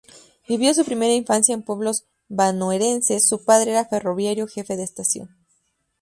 Vivió su primera infancia en pueblos bonaerenses —su padre era ferroviario, jefe de estación—.